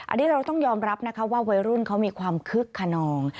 อันนี้เราต้องยอมรับนะคะว่าวัยรุ่นเขามีความคึกขนอง